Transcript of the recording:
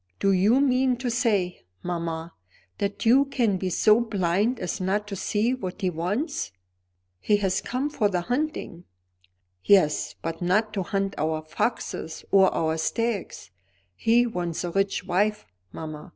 Do you mean to say, mamma, that you can be so blind as not to see what he wants?" "He has come for the hunting." "Yes, but not to hunt our foxes or our stags. He wants a rich wife, mamma.